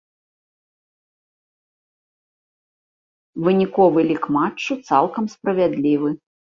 Выніковы лік матчу цалкам справядлівы.